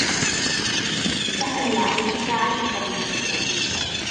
Gwell ymladd hyd at waed na bod yn gaethion.